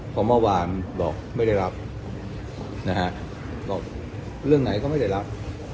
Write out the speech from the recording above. พอเมื่อวานบอกไม่ได้รับนะฮะบอกเรื่องไหนก็ไม่ได้รับ